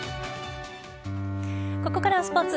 ここからはスポーツ。